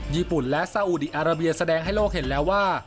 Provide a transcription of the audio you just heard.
ญี่ปุ่นและซาอุดีอาราเบียแสดงให้โลกเห็นแล้วว่า